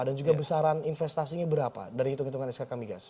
dan juga besaran investasinya berapa dari hitung hitungan skk migas